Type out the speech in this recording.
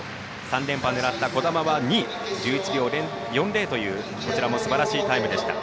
３連覇を狙った兒玉は２位１１秒４０というこちらもすばらしいタイムでした。